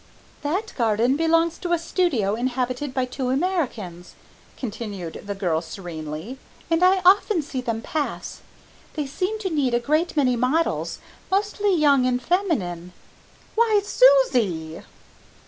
"That garden belongs to a studio inhabited by two Americans," continued the girl serenely, "and I often see them pass. They seem to need a great many models, mostly young and feminine " "Why, Susie!"